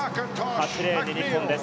８レーンに日本です。